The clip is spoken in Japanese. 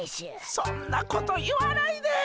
そんなこと言わないで。